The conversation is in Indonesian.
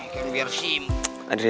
kayaknya biar simp